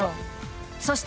［そして］